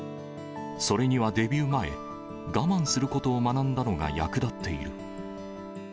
それにはデビュー前、我慢することを学んだのが役立っている。